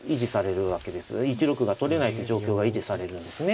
１六が取れないって状況が維持されるんですね。